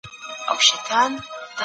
کار د انسان د ژوند برخه ده.